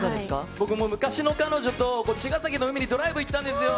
僕も昔の彼女と茅ヶ崎の海にドライブに行ったんですよ。